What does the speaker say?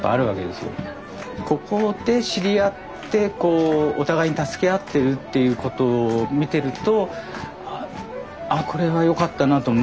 ここで知り合ってお互いに助け合ってるっていうことを見てるとあこれはよかったなって思いますね。